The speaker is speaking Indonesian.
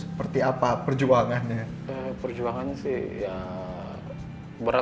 seperti apa sih pendekatannya pasti kan agak beda ya